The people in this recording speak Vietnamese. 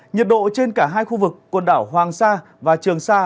nhiệt độ trên cả hai khu vực quần đảo hoàng sa và trường sa